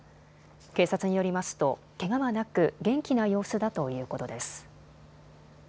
警察によりますと、けがはなく元気な様子だということです。